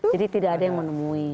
jadi tidak ada yang menemui